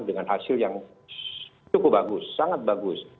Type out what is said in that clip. dengan hasil yang cukup bagus sangat bagus